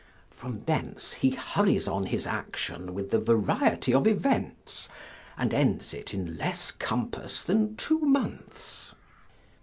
From thence he hurries on his action with variety of events, and ends it in less compass than two months.